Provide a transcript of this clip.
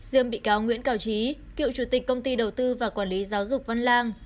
riêng bị cáo nguyễn cao trí cựu chủ tịch công ty đầu tư và quản lý giáo dục văn lang